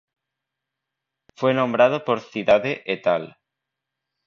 Fue nombrado por Cidade "et al.